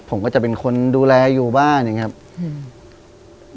ผมก็จะเป็นคนดูแลอยู่บ้านอย่างเงี้ยอืม